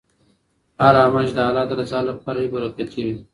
هر عمل چې د الله د رضا لپاره وي برکتي وي.